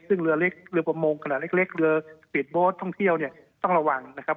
ซึ่งเรือประมงลึกสกิริจโบสท์ต่างเที่ยวก็ต้องระวังนะครับ